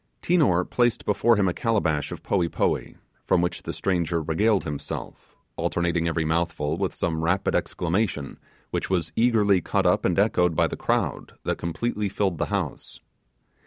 Tinor placed before him a calabash of poee poee, from which the stranger regaled himself, alternating every mouthful with some rapid exclamation, which was eagerly caught up and echoed by the crowd that completely filled the house.